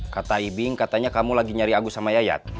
kata ibing katanya kamu lagi nyari agus sama yayat